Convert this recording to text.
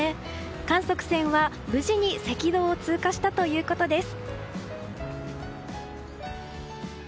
観測船は無事に赤道を通過したということです。